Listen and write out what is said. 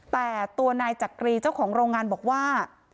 แต่ตัวนายจักรีเจ้าของโรงงานบอกว่า